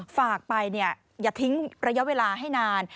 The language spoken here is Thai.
ฝากไปอย่าทิ้งระยะเวลาให้นาน